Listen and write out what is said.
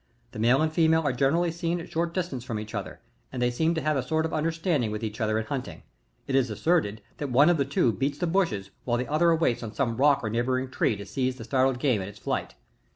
The male and female are generally seen at a short distance from each other, and they seem to have a sort of understanding with each other in hunting ; it is asserted, that one of the two beats the bushes while the other awaits on some rock or neighbouring tree, to seize the startled game in its flight.